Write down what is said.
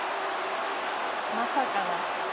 「まさかの。